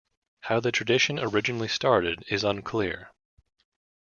How the tradition originally started is unclear.